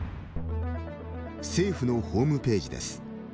政府のホームページです。